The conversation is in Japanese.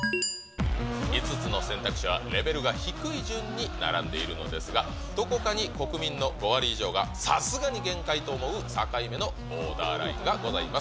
５つの選択肢はレベルが低い順に並んでいるのですが、どこかに国民の５割以上がさすがに限界と思う境目のボーダーラインがございます。